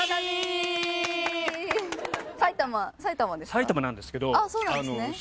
埼玉なんですけど。